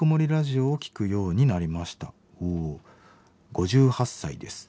「５８歳です。